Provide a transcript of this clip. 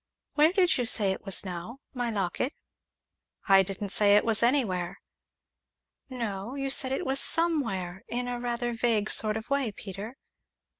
"Where did you say it was now my locket?" "I didn't say it was anywhere." "No, you said it was 'somewhere' in a rather vague sort of way, Peter."